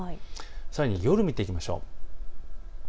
さらに夜を見ていきましょう。